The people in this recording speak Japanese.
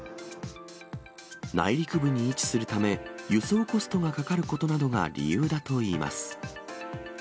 内陸部に位置するため、輸送コストがかかることなどが理由だといいます。